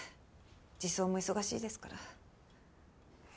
児相も忙しいですから。